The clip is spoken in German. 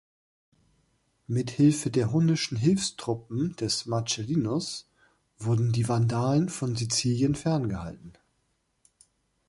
Mit Hilfe der hunnischen Hilfstruppen des Marcellinus wurden die Vandalen von Sizilien ferngehalten.